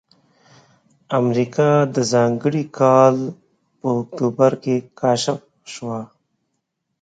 امریکا د ځانګړي کال په اکتوبر کې کشف شوه.